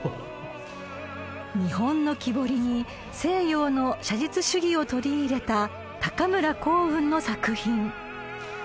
［日本の木彫りに西洋の写実主義を取り入れた高村光雲の作品］